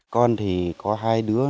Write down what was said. con thì có hai đứa